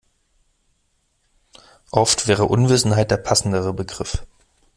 Oft wäre Unwissenheit der passendere Begriff.